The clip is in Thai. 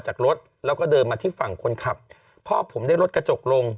จากรถแล้วก็เดินมาที่ฝั่งคนขับพ่อผมได้รถกระจกลง